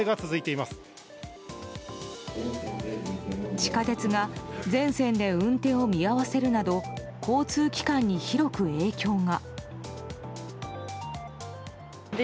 地下鉄が全線で運転を見合わせるなど交通機関に広く影響が。